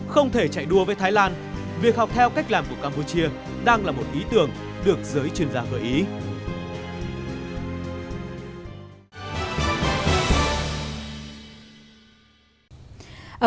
không thể chạy đua với thái lan việc học theo cách làm của campuchia đang là một ý tưởng được giới chuyên gia gợi ý